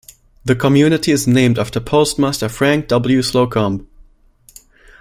The community is named after postmaster Frank W. Slocomb.